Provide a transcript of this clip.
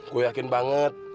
gua yakin banget